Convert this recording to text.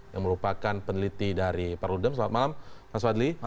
yang merupakan peneliti dari parudem selamat malam mas fadli